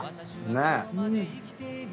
ねえ。